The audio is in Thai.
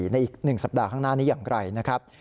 ในอีก๑สัปดาห์ข้างหน้านี้อย่างไรนะครับ